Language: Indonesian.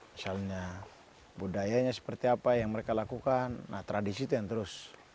misalnya budayanya seperti apa yang mereka lakukan nah tradisi itu yang terus